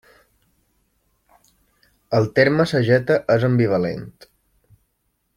El terme sageta és ambivalent.